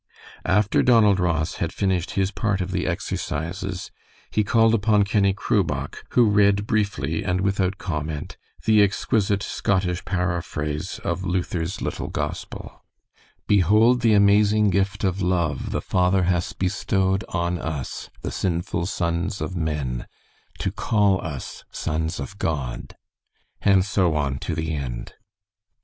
After Donald Ross had finished his part of the "exercises," he called upon Kenny Crubach, who read briefly, and without comment, the exquisite Scottish paraphrase of Luther's "little gospel": "Behold the amazing gift of love The Father hath bestowed On us, the sinful sons of men, To call us sons of God " and so on to the end.